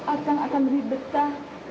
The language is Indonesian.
akan akan ribetah